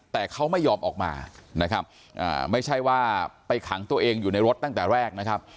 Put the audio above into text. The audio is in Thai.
แต่เขาไม่ยอมออกมานะครับไม่ใช่ว่าไปขังตัวเองอยู่ในรถตั้งแต่แรกนะครับ